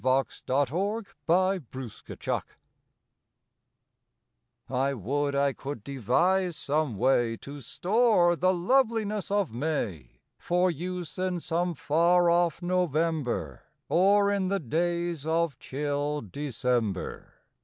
May Second THE TREASURY T WOULD I could devise some way To store the loveliness of May For use in some far off November Or in the days of chill December.